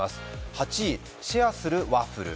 ８位、シェアするワッフル。